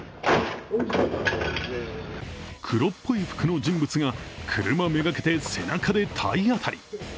黒っぽい服の人物が車目がけて背中で体当たり。